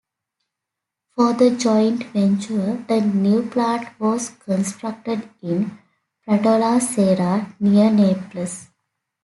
For the joint venture, a new plant was constructed in Pratola Serra, near Naples.